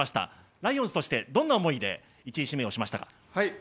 ライオンズとしてどんな思いで１位指名をしましたか？